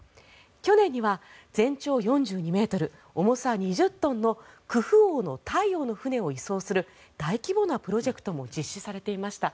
去年には全長４２ｍ、重さ２０トンのクフ王の太陽の船を移送する大規模なプロジェクトも実施されていました。